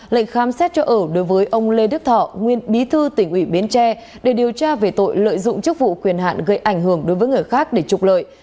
lệnh khám xét cho ở đối với ông lê đức thọ nguyên bí thư tỉnh ủy bến tre để điều tra về tội lợi dụng chức vụ quyền hạn gây ảnh hưởng đối với người khác để trục lợi